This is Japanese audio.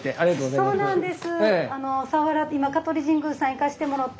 そうなんです。